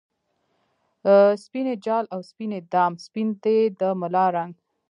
سپین یی جال او سپین یی دام ، سپین دی د ملا رنګ